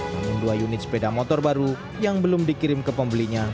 namun dua unit sepeda motor baru yang belum dikirim ke pembelinya